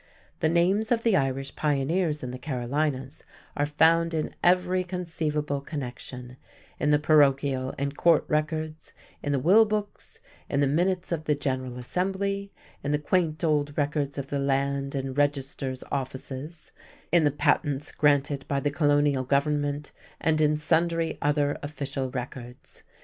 The names of the Irish pioneers in the Carolinas are found in every conceivable connection, in the parochial and court records, in the will books, in the minutes of the general Assembly, in the quaint old records of the Land and Registers' offices, in the patents granted by the colonial Government, and in sundry other official records.